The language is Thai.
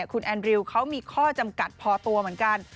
คุณแอนริวเขามีข้อจำกัดพอตัวเหมือนกัน